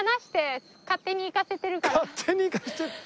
勝手に行かせてるの？